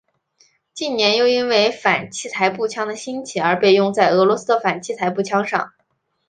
近年又因为反器材步枪的兴起而被用在俄罗斯的反器材步枪上。